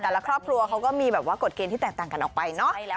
แต่ละครอบครัวเขาก็มีกฎเกณฑ์ที่แตกต่างกันออกไป